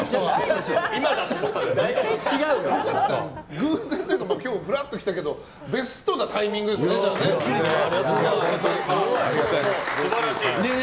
偶然というか今日、ふらっと来たけどベストなタイミングですね。